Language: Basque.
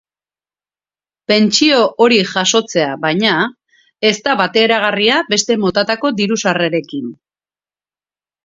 Pentsio hori jasotzea, baina, ez da bateragarria beste motatako diru-sarrerekin.